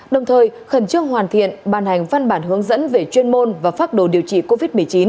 đồng thời khẩn trương hoàn thiện ban hành văn bản hướng dẫn về chuyên môn và phác đồ điều trị covid một mươi chín